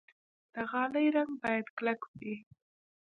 د غالۍ رنګ باید کلک وي.